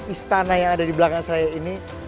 istana yang ada di belakang saya ini